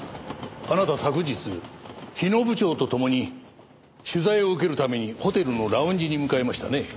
あなた昨日日野部長とともに取材を受けるためにホテルのラウンジに向かいましたね？